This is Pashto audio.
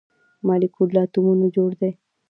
مالیکول له اتومونو جوړ دی